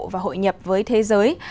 và hội nhập với thế giới